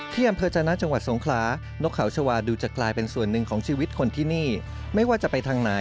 ที่อำเภชนาฯจังหวัดสงครา